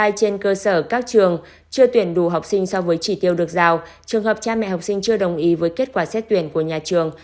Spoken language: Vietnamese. trên cơ sở các trường chưa tuyển đủ học sinh so với chỉ tiêu được giao trường hợp cha mẹ học sinh chưa đồng ý với kết quả xét tuyển của nhà trường